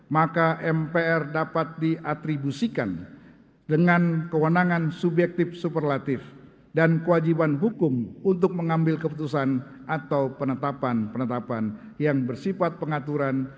maka mpr dapat diatribusikan dengan kewenangan subjektif superlatif dan kewajiban hukum untuk mengambil keputusan atau penetapan penetapan yang bersifat pengaturan